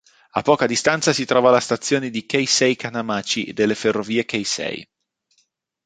A poca distanza si trova la stazione di Keisei-Kanamachi delle Ferrovie Keisei.